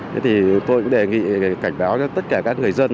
thế thì tôi cũng đề nghị cảnh báo cho tất cả các người dân